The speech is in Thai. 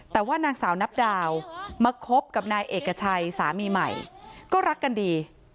แต่ว่านางสาวนับดาวมาคบกับนายเอกชัยสามีใหม่ก็รักกันดี